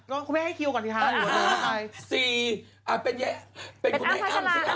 แล้วคุณแม่ให้คิวก่อนทีท้ายหรืออะไร๕๔เป็นแยะเป็นคุณแม่อัมสิอัม